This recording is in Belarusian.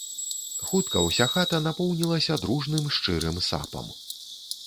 Хутка ўся хата напоўнілася дружным, шчырым сапам.